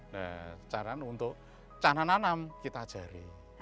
nah cara untuk cara nanam kita ajari